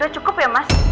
udah cukup ya mas